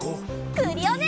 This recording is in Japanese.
クリオネ！